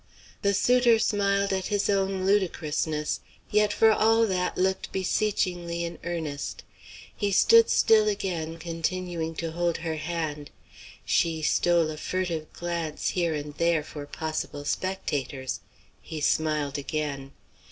The suitor smiled at his own ludicrousness, yet for all that looked beseechingly in earnest. He stood still again, continuing to hold her hand. She stole a furtive glance here and there for possible spectators. He smiled again.